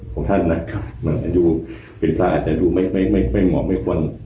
ของท่านนะครับเป็นภาคอาจจะดูไม่เหมาะไม่ควร